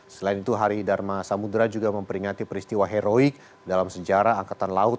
selain itu hari dharma samudera juga memperingati peristiwa heroik dalam sejarah angkatan laut